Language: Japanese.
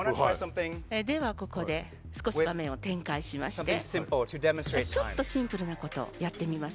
ではここで少し場面を展開しましてちょっとシンプルなことをやってみます。